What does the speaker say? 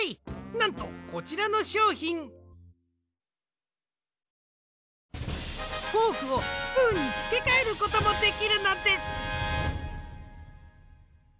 なんとこちらのしょうひんフォークをスプーンにつけかえることもできるのです！